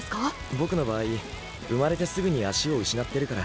僕の場合、生まれてすぐに足を失ってるから。